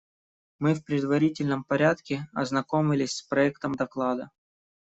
Мы в предварительном порядке ознакомились с проектом доклада.